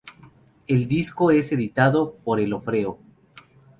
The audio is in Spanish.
El disco es editado por el Orfeo.